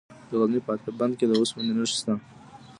د غزني په اب بند کې د اوسپنې نښې شته.